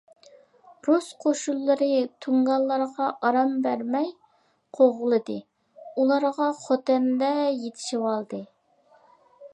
رۇس قوشۇنلىرى تۇڭگانلارغا ئارام بەرمەي قوغلىدى، ئۇلارغا خوتەندە يېتىشىۋالدى.